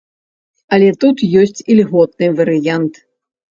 Але тут ёсць ільготны варыянт.